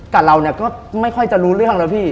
กับเราเนี่ยก็ไม่ค่อยจะรู้เรื่องแล้วพี่